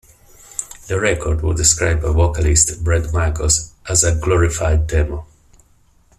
The record was described by vocalist Bret Michaels as a "glorified demo".